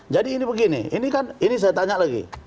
jadi ini begini ini kan ini saya tanya lagi